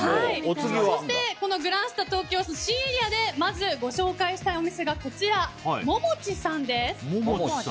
そして、グランスタ東京新エリアでまずご紹介したいお店がこちら百千さんです。